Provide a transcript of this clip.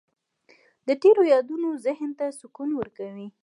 د تېرو یادونه ذهن ته سکون ورکوي.